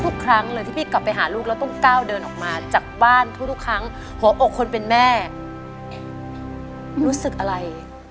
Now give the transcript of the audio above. ทุกครั้งเลยที่พี่กลับไปหาลูกแล้วต้องก้าวเดินออกมาจากบ้านทุกครั้งหัวอกคนเป็นแม่รู้สึกอะไร